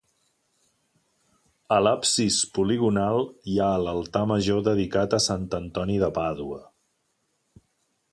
A l'absis poligonal hi ha l'altar major dedicat a sant Antoni de Pàdua.